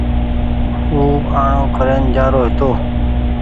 او آڻو ڪرين جآرو هيتو